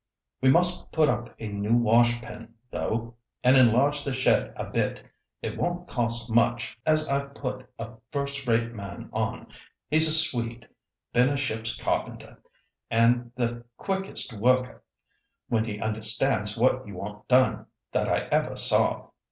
We must put up a new washpen, though, and enlarge the shed a bit. It won't cost much, as I've put a first rate man on. He's a Swede, been a ship's carpenter, and the quickest worker, when he understands what you want done, that I ever saw.